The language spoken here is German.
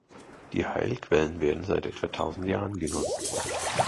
Die Heilquellen werden seit etwa tausend Jahren genutzt.